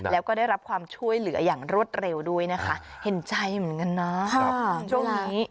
แล้วก็ได้รับความช่วยเหลืออย่างรวดเร็วด้วยนะคะเห็นใจเหมือนกันนะช่วงนี้